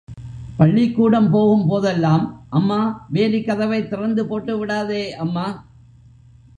பள்ளிக்கூடம் போகும் போதெல்லாம், அம்மா, வேலிக் கதவைத் திறந்து போட்டுவிடாதே அம்மா.